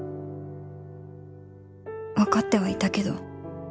わかってはいたけど